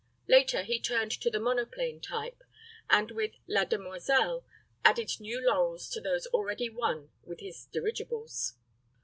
Later he turned to the monoplane type, and with "La Demoiselle" added new laurels to those already won with his dirigibles.